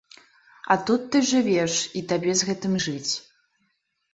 А тут ты жывеш, і табе з гэтым жыць.